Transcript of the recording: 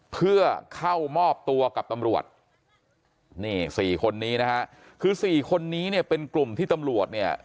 เพื่อเข้ามอบตัวกับตำรวจนี่สี่คนนี้นะฮะคือสี่คนนี้เนี่ยเป็นกลุ่มที่ตำรวจเนี่ย